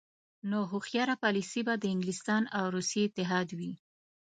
نو هوښیاره پالیسي به د انګلستان او روسیې اتحاد وي.